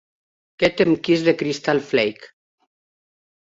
"Get em Kiss the Crystal Flake"